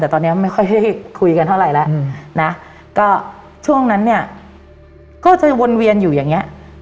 แต่ตอนนี้ไม่ค่อยได้คุยกันเท่าไหร่แล้วนะก็ช่วงนั้นเนี่ยก็จะวนเวียนอยู่อย่างเงี้ย